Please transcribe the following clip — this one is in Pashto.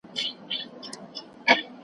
اشارو او استعارو څخه بې برخي کړو .